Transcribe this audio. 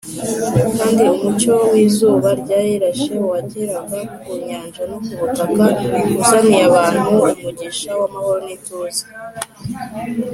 kandi umucyo w’izuba ryari rirashe wageraga ku nyanja no ku butaka uzaniye abantu umugisha w’amahoro n’ituze